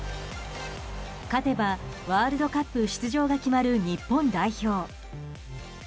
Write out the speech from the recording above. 勝てばワールドカップ出場が決まる日本代表。